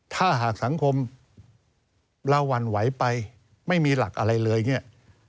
ถ้าหากสังคมเราหวั่นไหวไปไม่มีหลักอะไรเลยเนี่ย